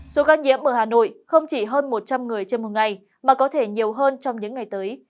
số ca nhiễm ở hà nội không chỉ hơn một trăm linh người trên một ngày mà có thể nhiều hơn trong những ngày tới